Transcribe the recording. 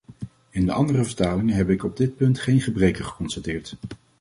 In de andere vertalingen heb ik op dit punt geen gebreken geconstateerd.